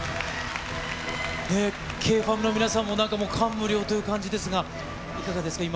Ｋｆａｍの皆さんも、なんかもう、感無量という感じですが、いかがですか？